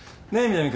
南君。